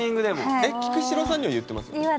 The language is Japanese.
えっ菊紫郎さんには言ってますよね？